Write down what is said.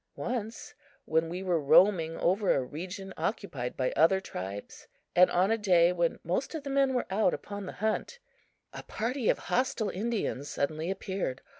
Once, when we were roaming over a region occupied by other tribes, and on a day when most of the men were out upon the hunt, a party of hostile Indians suddenly appeared.